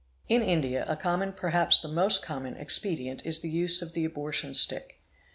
In India a common, perhaps the most common, expedient, is the use f the "abortion stick'.